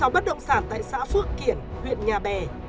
một mươi sáu bất động sản tại xã phước kiển huyện nhà bè